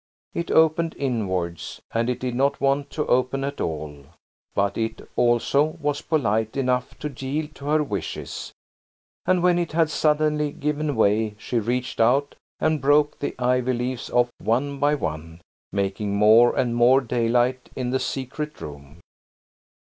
It opened inwards, and it did not want to open at all. But it, also, was polite enough to yield to her wishes, and when it had suddenly given way she reached out and broke the ivy leaves off one by one, making more and more daylight in the secret room.